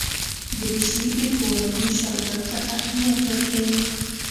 دریشي د ښوونځي شاګرد ته اهمیت ورکوي.